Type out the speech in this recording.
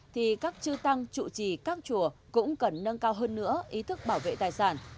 thì các chư tăng trụ trì các chùa cũng cần nâng cao hơn nữa ý thức bảo vệ tài sản